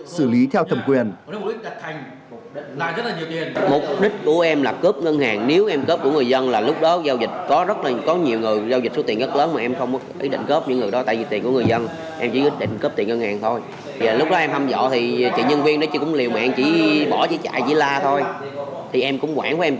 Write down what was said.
xử lý theo thẩm quyền